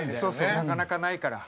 なかなかないから。